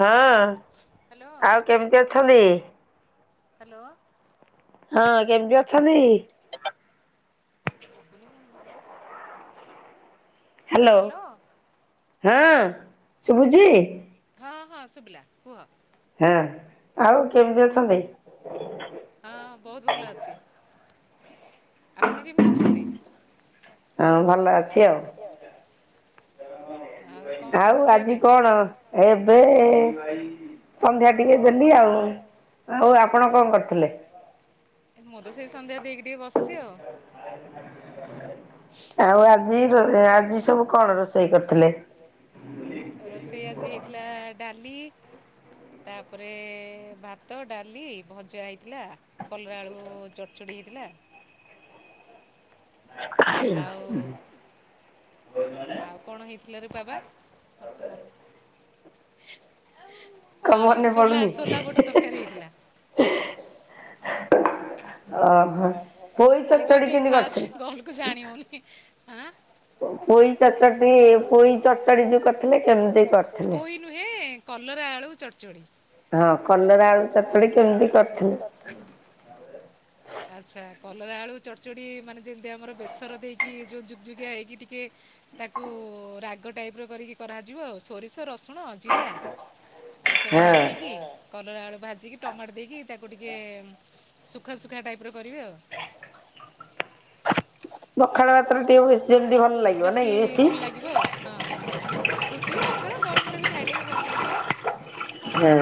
ହଁ ଆଉ କେମିତି ଅଛନ୍ତି ହ୍ୟାଲୋ ହଁ କେମିତି ଅଛନ୍ତି ଶୁଭୁନି କଣ ଭଲରେ ହ୍ୟାଲୋ ହଁ ଶୁଭୁଜି ହଁ ହଁ ଶୁଭିଲା କୁହ ହଁ ଆଉ କେମିତି ହଁ ବହୁତ ଭଲ ଅଛି ଆପଣ କେମିତି ଅଛନ୍ତି ହଁ ଭଲ ଅଛି ଆଉ ଆଉ ଆଜି କଣ ଏବେ ସନ୍ଧ୍ୟା ଟିକେ ଦେଲି ଆଉ ଆଉ ଆପଣ କଣ କରିଥିଲେ ଯିଓ ଆଉ ଆଜି ଆଜି ସବୁ କଣ ରୋଷେଇ କରିଥିଲେ ଭ ଭ ହେ ଆ ହ ଆଉ କଣ ହେଇଥିଲା ରେ ବାବା ମର ତୁମନ ହ ସୋଲା ସୋଲା ବୁଟ ତରକାରୀ ହେଇଥିଲା ଅ ଏବଂ କେ ପା କଣ କୁ ଜାଣିବଉନି ହଁ ପଇ ଚର୍ଚ ପଇ ଚର୍ଚଟି ଯ କରିଥିଲେ କେମିତି କରିଥିଲେ କଲରା ଆଳୁ ଚଡ଼ଚଡ଼ି ହଁ କଲରା ଆଳୁ ଚଟଟି କେମିତି କରିଥିଲେ କଲରା ଆଳୁ ଚଡ଼ଚ ମାନେ ଯେମିତି ଆମର ବେସର ଦେଇକି ଯୋୁଗୁଗିଆ ହେଇକି ଟିକେ ତାକୁ ରାଗ ଟାଇପ ର କରିକି କରିବ ଆଉ ସୋରିଷ ରସ ଶୁଣ ଜିରା ଆଉ ସବୁ ବାଟିକି କଲଡ଼ ଆଳୁ ଭାଜିକି ଟମାଟ ଦେଇକି ତାକୁ ଟିକେ ଶୁଖା ଶୁଖା ଟାଇପ୍ ଉପର କରିବେ ଆଉ ବେଶୀ ଭଲ ଲାଗିବ ଆଉ ହଁ ହଁ ରୁଟି କାଣ ଗରମରେ ବି ଖାଇଲେ ବି ଭଲ ଲାଗିବ ହୁଁ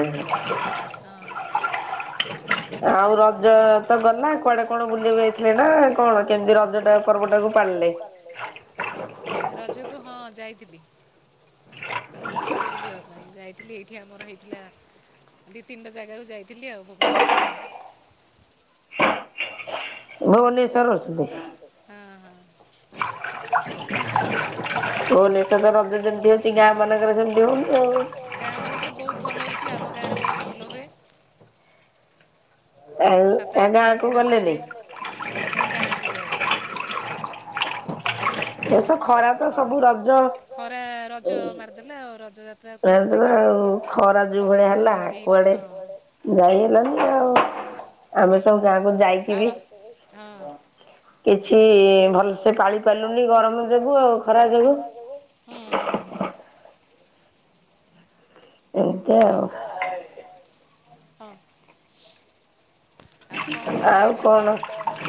ଆଉ ରଜ ତ ଗଲା କୁଆଡେ କଣ ବୁଲକୁ ଯାଇଥିଲେ ନା କଣ କେମିତି ରଜଟା ପର୍ବଟାକୁ ପାଳିଲେ ବୁଲିବା ପାଇଁ ଯାଇଥିଲି ଏଇଠି ଆମର ହେଇଥିଲା ଦି ତିନିଟା ଜାଗାକୁ ଯାଇଥିଲି ଆଉ ଭୁବନେଶ୍ୱରରେ ଆଉ ଭୁବନେଶ୍୍ୱର ସୁଧି ଁ ମ ଗାଁ ମାନଙ୍କରେ ବହୁତ ଭଲ ହଉଛି ଆମ ଗାଁରେ ବହୁତ ଭଲ ହୁଏ ସାତ ଆଠ ରାତି ନାଚଏ ନାଇଁ ଗାଣକୁ ଯାଏନି ଦେସ ଖରା ତ ସବୁ ରଗ ଖରା ରଜ ମାରିଦେଲେ ଆଉ ରଜ ଯାତ୍ରା କଣ ଲାଗିବ ଖରାକୁ ହ ୁି ଗରମ ଯୋଗୁ ଆଉ ଖରା ଯୋଗୁ [unintelligible] ଏତିଉ ହଁ ଆଉ କଣ କରୁଥିଲେ ଏବେଣଞଲ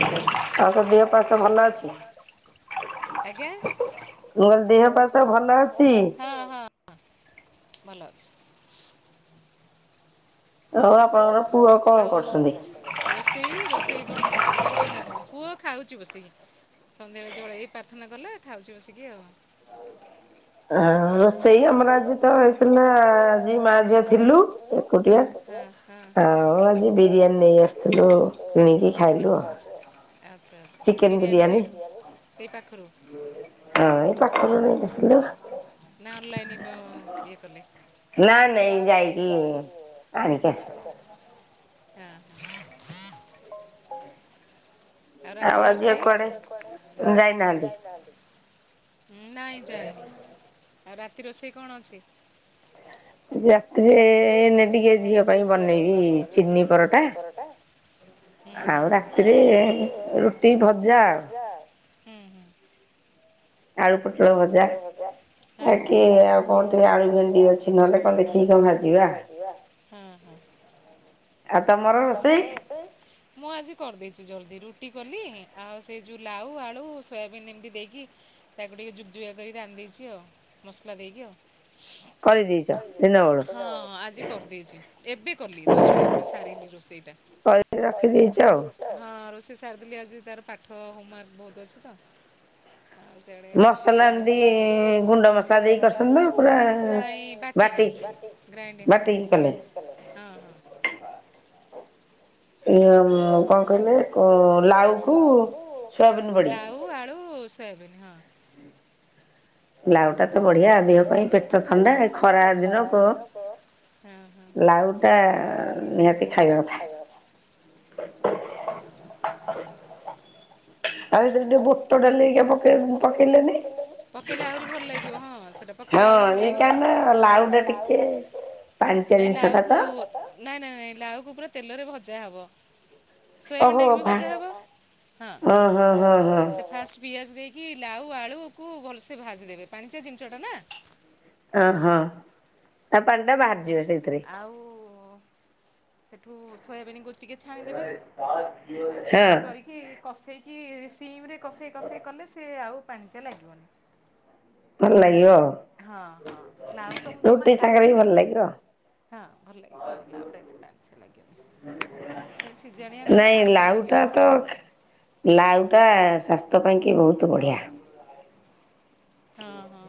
ଭଲଛି ଆଉ ରୋଷେଇ ରୋଷେଇ କଣ କରୁଛନ୍ତି ଆପଣ ପୁଅ ଖାଉଛି ବସିକି ସନ୍ଧ୍ୟାବେଳେ ଜଳେଇ ପ୍ରାର୍ଥନା କଲେ ଖାଉଛି ବସିକି ଆଉ ଆ ରୋଷେଇ ଆମର ଆଜି ତ ହେଇଥିଲା ଆଜି ମା ଝିଅ ଥିଲୁ ଏକୁଟିଆ ହଁ ଆଜି ବିରିୟାନୀ ନେଇ ଆସିଥିଲୁ କିଣିକି ଖାଇଲୁ ଚିକେନ ବିରିୟାନୀ ହ ଏ ପାଖରୁ ନେଇ ଆୁ ନାଁ ଅନଲାଇନ ଇଏ କଲେ ନା ନାଇଁ ଯାଇକି ଆଣିଛି ଆଉ ହଁ ଆଉ ରାତି ରୋଷେଇ, ଁ ନାଇଁ ଯାଇନି, ଆଉ ରାତି ରୋଷେଇ କଣ ଅଛି। ରାତିରେେ ଟିକେ ଝିଅ, ପାଇଁ ବନେଇବି ଚିନି ପରଟା ଆଉ ରାତିରେ ରୁଟି ଭଜା ଆଉ। ହୁଁ ହୁଁ, ଆଳୁ ପୋଟଳ ଭଜା ହୁଁ ହୁଁ, [inaudible] ହଁ ହଁ, ଆ ତମର ମୁଁ ଆଜି କରିଦେଇଛି। ଜଲଦି ରୁଟି କଲି, ତାକୁ ଟିକେ ଯୁକଯୁକା କରି ରାନ୍ଧି ଦେଇେଇଛି ଆଉ ମସଲା ଦେଇକି ଆଉ। ହଁ ଆଜି କରିଦେଇଛି ଏବେ କଲିଜଷ୍ଟ ଏବେ ସାରିଲି ରୋଷେଇଟା। ସେ ସାରିଦେଲି ଆଜି ତାର ପାଠ ହୋମୱାର୍କ ବହୁତ ଅଛି ତ ଆଉ ନାଇଁ ବାଟିକି ଗ୍ରାଇଣ୍ଡିଙ୍ଗ ହଁ ବାଟିକି କଲେ ହଁ ହଁ ଇ କଣ କହିଲେ ଲାଉକୁ ସୋୟବନ ବଡି, ସୋୟାବିନି ହଁ ଲାଉ ଟା ତ ବଢିଆ ଦେହ ପାଇଁ ପେଟ ଥଣ୍ଡା ଖରା ଦିନ କୁହ ଲାଉ ଟା ନିହାତି ଖାଇବା। ଆଉ ଏଥିରେ ଟିକେ ବୁଟ ଡାଲକେଇ ପକେଇଲେନି। ଭଲ ହଁ ସେଟା ପକେଇଲେ ଆହୁରି ଭଲ ଲାଗିବ ଲାଉ ଯାହା ହବ। ସୋୟାବିନଟା କିବି ଭଜା ହବହଁ ଓହହ ସେ ଫାଷ୍ଟ ପିଆଜ ଦେଇକି ଲାଉ ଆଳୁକୁ ଭଲସେ ଭାଜ ଦେବେ ପାଣିଚଆ ଜିନିଷଟା ନା ଅ ହଁ ଆ ପାଣିଟା ବାହାରି ଯିବ। ି [unintelligible] ସେଠୁ ସୋୟାବିନକୁ ଟିକେ ଛାଣିଦେବେ ତାପରେ ଏମିତି କରିକି କସେଇ କି ସିମ ରେ କସେଇ କସେଇ କଲେ ସେ ଆଉ ପାଣିଚିଆ ଲାଗିବନି ଭଲ ଲାଗିବଆଉ ହଁ ହଁ ଲାଉ ତ ମୁଁ ଜମା ଖାଏନି ଏବେ ହଁ ଭଲ ଲାଗିବ ଆଉ ଲାଉ ଟା ଏତେ ପାଣି ଛଆ ଲାଗିବନି ସେ ସିଝାଣିଆ କଲେ ପାଣି ଛିଆ ଲାଗିବ ଟା ସ୍ୱାସ୍ଥ୍ୟ ପାଇଁକି ବହୁତ ବଢ଼ିଆ ହଁ ହଁ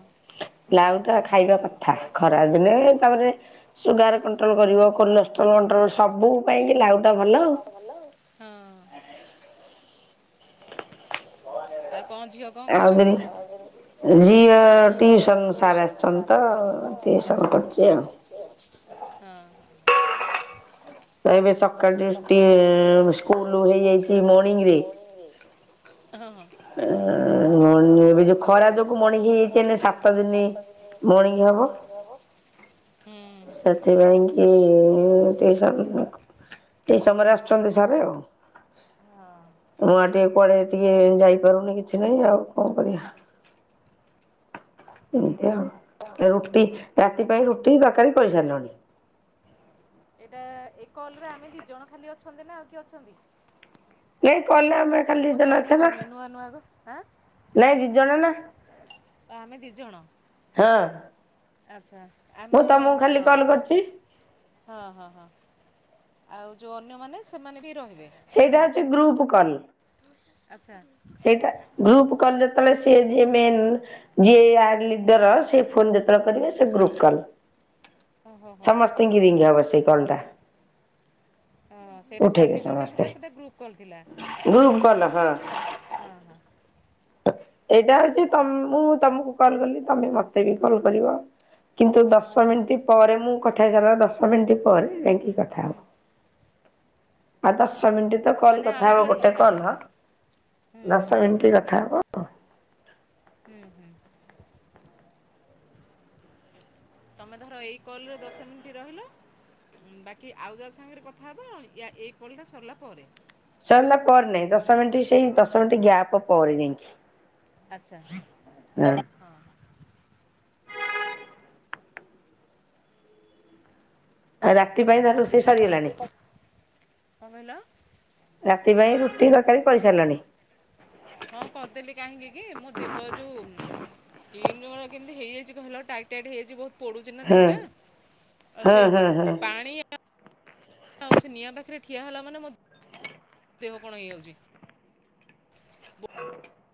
ଲାଉ ଟା ଖାଇବା କଥା ଖରା ଦିନେ ତାପରେ ସୁଗାର କଣ୍ଟ୍ରୋଲ କରିବ କୋଲେଷ୍ଟ୍ରୋଲ କଣ୍ଟ୍ରୋଲ ସବୁ ପାଇଁକ ଲାଉ ହଁ ଆଉ କଣ ଝିଅ କଣ କରୁଛନ୍ତିଝିଅ ବେ ସ ସ୍ ହେଯାଇଛି ଣି ଏବେ ଯୋଉ ଖରା ଯୋଗୁ ମଣିିକି ହେଇଯାଇଛି ସାତ ଦିନ ମଣିିକି ହବ ସେଥିପାଇଁ କି ସମୟରେ ଆସିୁଛନ୍ତି ସାରେ ଆଉ ମାଟି ପରେେ ଟିକେ ଯାଇ କରନି କିଛି ନାଇଁ ଆଉ କଣ କରିବା ହୁଁ ରୁଟି ରାତି ପାଇଁ ର ଟ ତାକାରଲି ପସାନ ଏଇଟା ଏ କଲରେ ଆମେ ଦି ଜଣ ଖାଲି ଅଛନ୍ତି ନା ଆଉ କିଏ ଅଛନ୍ତି କଲା ଆମର ଖାଲି ଦି ଜଣ ଅଛେ ନା ନାଇଁ ଦି ଜଣ ନା ଆମେ ଦି ଜଣ ହଁ ଆଛା ଆମେ ଦି ଜଣ ଅଛେ ହଁ ହଁ ହଁ ଆଉ ଯୋଉ ଅନ୍ୟମାନୋନେ ସେମାନେ ବି ରହିବେ ସେଇଟା ହଉଛି ଗ୍ରୁପ କନ ଆଚ୍ଛା ସେଟା ଗ୍ରୁପ କଲ ଯେତେବେଳେ ଯ ଲିର ସେ ଫୋ ଯେତେବେଳେ କରିବେ ସେ ଗ୍ରୁପ କଲ ସମସ୍ତତ କି ଦଙ୍ଗି ଆ ବଶ ଚିକଳଟା ହ ସେଇଟା କାଲି ଯୋଉଟା ଥିଲା ସେଟା ଗ୍ରୁପ କରିଥିଲା ହଁ ହଁ ଏଇଟା ହଉଛି ମୁଁ ତମକୁ କଲ କଲି ତମେ ମତେ ବି କଲ୍ କରିବ କିନ୍ତୁ ଦଶ ମିନିଟ୍ ପରେ ମୁଁ ପଠେଇ ସାରଲା ଦଶ ମିନିଟ୍ ପରେ ଏ କଥା ହଉ ଆ ତ ଦଶ ମିନିଟ ତ କଲ କଥା ହବ ଗୋଟେ କଲ ହଁ ଦଶ ମିନିଟ କଥା କଥା ହବ ଆ ହୁଁ ହୁଁ। ତମେ ଧର ଏଇ କଲ୍ ରେ ଦଶ ମିନିଟ୍ ରହିଲ ଉଁ ବାକି ଆଉ ଯାହା ସାଙ୍ଗରେ କଥା ହେବ ୟା ଏଇ କଲ୍ଟା ସରିଲା ପରେ। ସରିଲା ପରେ ନାହିଁ ଦଶ ମିନିଟ ସେଇ ଦଶ ମିନିଟ ଗ୍ୟାପ ପରେ ଯାଇକି। ଆଚ୍ଛା ହଁ। ଆଉ ରାତି ପାଇଁ ଧର ରୋଷେଇ ସରିଗଲାଣି? ରତି ପାଇଁ ରୁଟି ତରକାରୀ କରିସାରିଲଣି? ହଁ କରିଦେଲି କାହିଁକି କି ମୋ ଦେହ ଯଉ ସ୍କିନ୍ ରେ କଣ କେମିତି ହେଇଯାଇଚି କହିଲ ଟାଇଟ ଟାଇଟ୍ ହେଇଯାଇଚି ବହୁତ। ପୋଡୁଚି ନା ଦେହଟା ଆଉ ସେ ପାଣି ଆ ଆଉ ସେ ନିଆଁ ପାଖରେ ଠିଆ ହେଲା ମାନେ ମୋ ଦେହ କଣ ହେଇଯାଉଚି।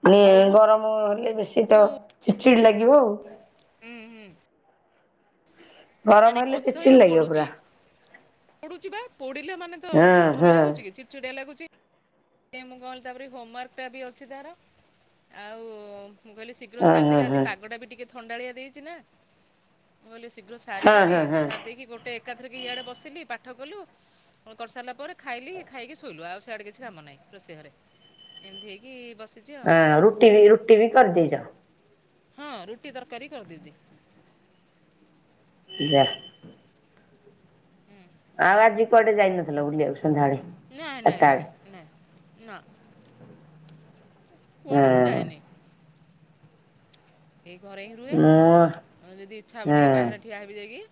ଏଇ ଗରମ ହେଲେ ବେଶୀ ତ ଚି ଚିଡି ଲାଗିବ ଆଉ। ହୁଁ ହୁଁ। ଗରମ ହେଲେ ଚିଡ଼ ଚିଡ଼ ଲାଗିବ ପୁରା। ପଡୁଚି ବା। ପୋଡିଲେ ମାନେ ତ ଭଲ ଲାଗୁଚି କି ଚିଡ଼ଚିଡିଆ ଲାଗୁ ଚି। ସେ ମୁଁ କଣ ତାପରେ ହୋମୱାର୍କ ଟା ବି ଅଛି ତାର ଆଉ ମୁଁ କହିଲି ଶୀଘ୍ର ସାରିଦେବି ଆଜି ପାଗଟା ବି ଟିକେ ଥଣ୍ଡାଳିଆ ଦେଇଚି ନା। ମୁଁ କହିଲି ଶୀଘ୍ର ସାରି ଦେବି ସାରି ଦେଇକି ଗୋଟେ ଏ ଏକାଥରକି ଇଆଡ଼େ ବସିଲି ପାଠ କଲୁ। କରିସାରିଲା ପରେ ଖାଇଲି। ଖାଇକି ଶୋଇଲୁ। ଆଉ ସେଆଡ଼େ କିଛି କାମ ନାହିଁ। ରୋଷେ ଘରେ। ଏମିତି ହେଇକି ଆଁ ରୁଟି ରୁଟି ବି କରିଦେଇଚ। ହଁ ରୁଟି ତରକାରୀ କରି ଦେଇଚି। ଯାଆ ହୁଁ। ଆଉ ଆଜି କୁଆଡେ ଯାଇନଥିଲ ବୁଲିବାକୁ? ନା ନାଇଁ ନାଇଁ ନାଇଁ। ନା। କୁଆଡେ ମୁଁ ଯାଏନି। ଏଇ ଘରେ ହିଁ ରୁହେ ଆଉ ଯଦି ଇଚ୍ଛା ହବ ଟିକେ ବାହାରେ ଠିଆ ହେବି ଯାଇକି।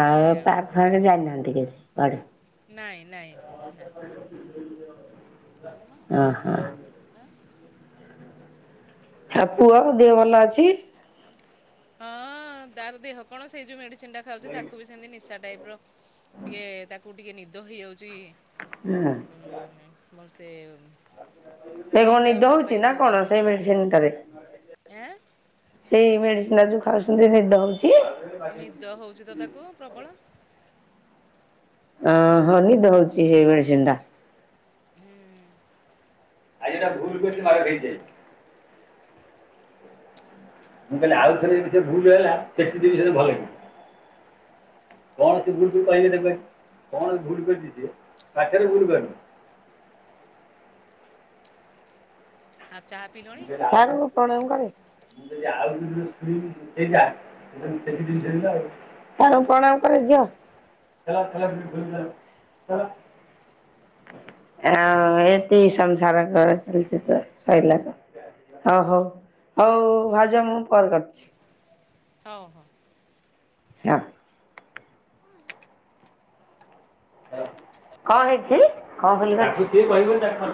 ଆଉ ପାଖରେ ଯାଇନାହାନ୍ତି କେହି? ପାଢ଼ୀ ନାଇଁ ନାଇଁ। [unintelligible] ଅଁ ହଁ। ପୁଅ ଦେହ ଭଲ ଅଛି। ହଁ ଦାର ଦେହ କଣ ସେଇ ଯୋଉ ମେଡିସିନ ଣ୍ଡା ଖାଉଛି ତାକୁ ବି ସେମତି ନିଶା ଟାଇ ର ଟିକେ ତାକୁ ଟିକେ ନିଦ ହେଇଯାଉଛି। ହୁଁ ମୋର ସେ ଉଁ ସେ କଣ ନିଦ ହଉଚି ନା କଣ ସେଇ ମେଡିସିନ ଟାରେ ସେଇ ମେଡିସିନ ଯଉ ଖାଉଛନ୍ତି ନିଦଲାଗୁଚି ନିଦ ହଉଛି ତ ତାକୁ ପ୍ରବଳ ଅ ହଁ ନିଦ ହଉଛି ସେଇବେଳେ ସେନ୍ଧା ହୁଁ ଆଜି ଏଟା ଭୁଲ କରିୁଛି ମର ହେ ଯାଇ ମୁଁ କହିଲି ଆଉ ଥରେ ଯି ସେ ଭୁଲ ହେଲା ସେଠି ବି ସେ ଭଲ ହେ କଣ ସେ ଭୁଲୁ କହିବେ ଦେ କଣ ଭୁଲ କରିିବ ସ ପାଠରେ ଭୁଲ କରିିବ ସାର ପ୍ରଣମ ଘରେ ଏ ସଂସାର ଓ ହଉ ହଉ ଭଜ ମୁଁ ପରେ କରିଛି ହଉ ହଉ ହଁ କଣ ହେଇଛି କଣ କ କହିବ